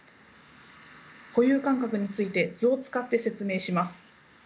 固有感覚について図を使って説明します。